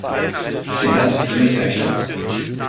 Sie hat vier Töchter.